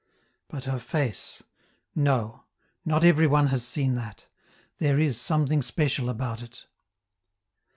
But her face no, not every one has seen that; there is something special about it.